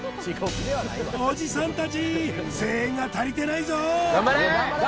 おじさん達声援が足りてないぞ頑張れ！